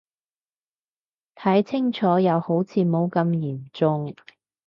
睇清楚又好似冇咁嚴重